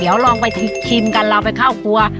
เดี๋ยวลองไปชิมกันเราไปเข้าครัว